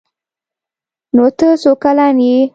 _نوته څو کلن يې؟